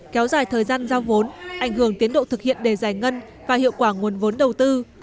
kéo dài thời gian giao vốn ảnh hưởng tiến độ thực hiện đề giải ngân và hiệu quả nguồn vốn đầu tư